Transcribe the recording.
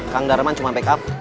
kang darman cuma backup